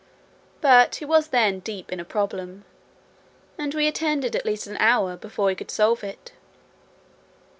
But he was then deep in a problem; and we attended at least an hour, before he could solve it.